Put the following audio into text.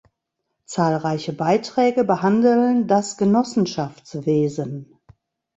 Zahlreiche Beiträge behandeln das Genossenschaftswesen.